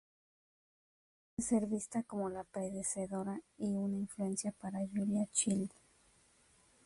Puede ser vista como la predecesora y una influencia para Julia Child.